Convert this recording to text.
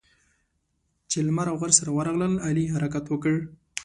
چې لمر او غر سره ورغلل؛ علي حرکت وکړ.